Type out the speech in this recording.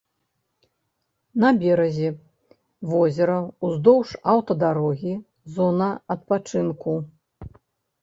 На беразе возера ўздоўж аўтадарогі зона адпачынку.